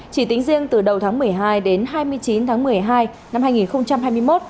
chỉ tính riêng từ đầu tháng một mươi hai đến hai mươi chín tháng một mươi hai năm hai nghìn hai mươi một